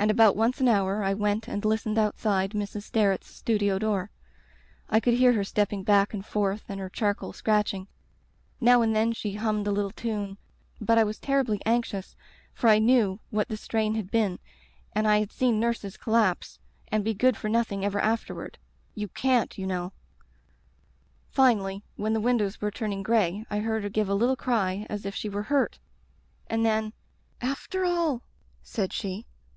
And about once an hour I went and listened outside Mrs. Sterret's studio door. I could hear her stepping back and forth and her charcoal scratching. Now and then she hununed a little tune. But I was terribly anxious for I knew what the strain had been, Digitized by LjOOQ IC The Rubber Stamp and I had seen nurses collapse and be good for nothing ever afterward. You can'ty you know "Finally — ^when the windows were turn ing gray I heard her give a little cry as if she were hurt, and then "'After all!' said she.